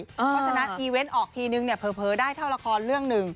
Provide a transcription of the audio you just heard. เพราะฉะนั้นอีเวนต์ออกทีนึงเนี่ยเผลอได้เท่าละครเรื่องหนึ่ง